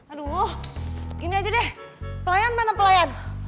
aduh ini aja deh pelayan mana pelayan